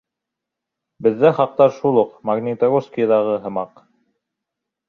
— Беҙҙә хаҡтар шул уҡ Магнитогорскиҙағы һымаҡ.